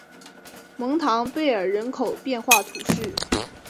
蒙唐贝尔人口变化图示